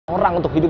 orang untuk hidup